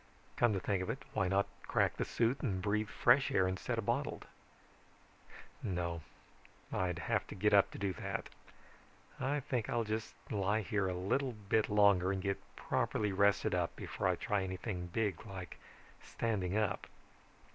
"Come to think of it, why not crack the suit and breath fresh air instead of bottled? "No. I'd have to get up to do that. I think I'll just lie here a little bit longer and get properly rested up before I try anything big like standing up.